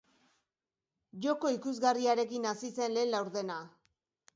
Joko ikusgarriarekin hasi zen lehen laurdena.